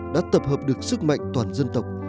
đã tập hợp được sức mạnh toàn dân tộc